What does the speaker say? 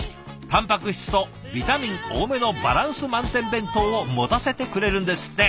たんぱく質とビタミン多めのバランス満点弁当を持たせてくれるんですって。